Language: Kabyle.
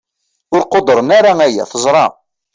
ur quddren ayen teẓṛa